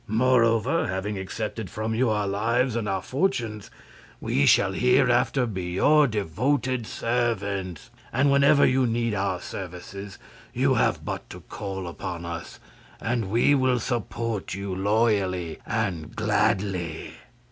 Moreover, having accepted from you our lives and our fortunes, we shall hereafter be your devoted servants, and whenever you need our services you have but to call upon us, and we will support you loyally and gladly."